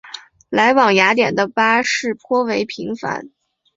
来往雅典的巴士颇为频繁。